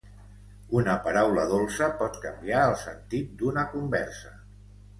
Una paraula dolça pot canviar el sentit d'una conversa.